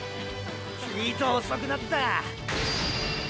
ちいと遅くなったが。